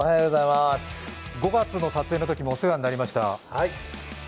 ５月の撮影のときもお世話になりました。